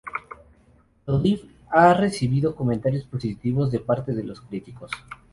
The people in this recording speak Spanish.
Believe ha recibido comentarios positivos de parte de los críticos.